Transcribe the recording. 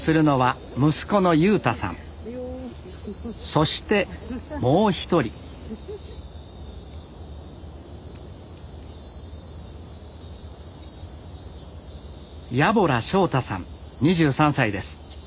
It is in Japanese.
そしてもう一人家洞昌太さん２３歳です。